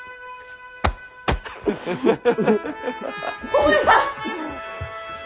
お前さん！